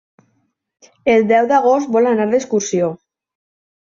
El deu d'agost vol anar d'excursió.